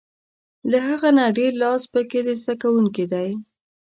له هغه نه ډېر لاس په کې د زده کوونکي دی.